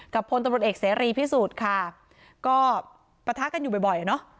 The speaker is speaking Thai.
กับพลตำรวจเอกเสรีพิสุทธิ์ค่ะก็ปะทะกันอยู่บ่อยเนอะ